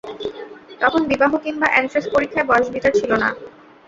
তখন বিবাহ কিম্বা এনট্রেন্স পরীক্ষায় বয়সবিচার ছিল না।